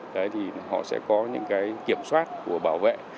đấy thì họ sẽ có những cái kiểm soát của bảo vệ